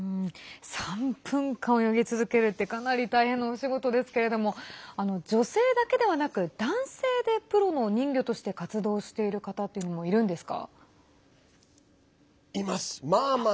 ３分間泳ぎ続けるってかなり大変なお仕事ですけれども女性だけではなく男性でプロの人魚として活動している方っていうのもいるんですか？